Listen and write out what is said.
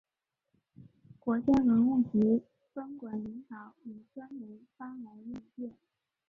国家文物局分管领导也专门发来唁电。